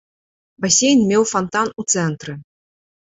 Басейн меў фантан у цэнтры.